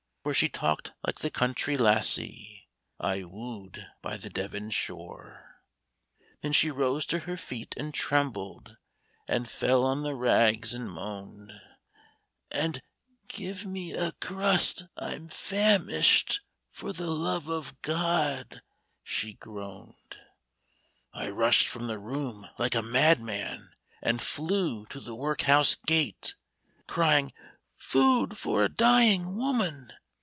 For she talked like the country lassie I woo'd by the Devon shore. Then she rose to her feet and trembled, And fell on the rags and moaned, And, * Give me a crust — I 'm famished — For the love of God !' she groaned. " I rushed from the room like a madman. And flew to the workhouse gate, Crying, * Food for a dying woman